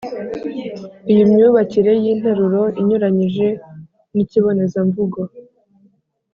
iyi myubakire y’interuro inyuranyije n’ikibonezamvugo